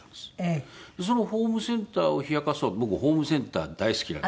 そのホームセンターを冷やかそうと僕ホームセンター大好きなので。